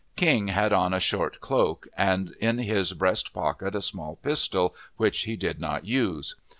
King had on a short cloak, and in his breast pocket a small pistol, which he did not use.